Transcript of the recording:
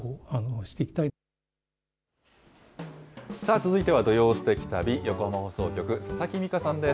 続いては土曜すてき旅、横浜放送局、佐々木美佳さんです。